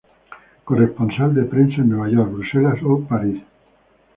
Corresponsal de prensa en Nueva York, Bruselas o París.